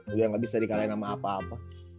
udah gak bisa dikalahin sama apa apa